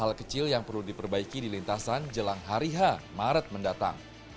hal kecil yang perlu diperbaiki di lintasan jelang hari h maret mendatang